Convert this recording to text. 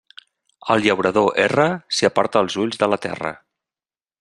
El llaurador erra si aparta els ulls de la terra.